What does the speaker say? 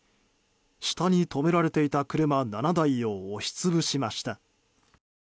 下に止められていた車７台を押し潰しました。